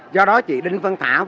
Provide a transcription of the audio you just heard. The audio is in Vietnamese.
do đó chị đinh vân thảo